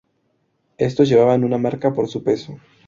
Estos llevaban una marca por su peso.